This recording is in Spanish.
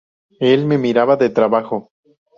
El me miraba de trabajo.